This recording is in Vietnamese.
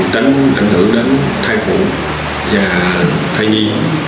tránh ảnh hưởng đến thai phụ và thai nhi